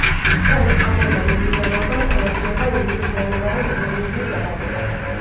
სწორედ ამ ორმა მიმდინარეობამ განაპირობა ინგლისურენოვანი მოდერნიზმის დაბადება.